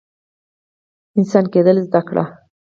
انسان کیدل زده کړئ